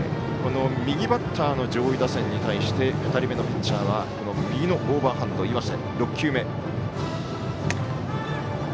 右バッターの上位打線に対して２人目のピッチャーは右のオーバーハンド、岩瀬。